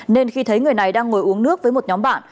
nên khi thấy người này đang ngồi uống nước với một nhóm bạn